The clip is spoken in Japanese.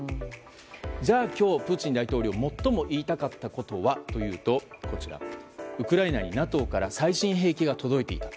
じゃあ、今日、プーチン大統領最も言いたかったことはというとウクライナにＮＡＴＯから最新兵器が届いていた。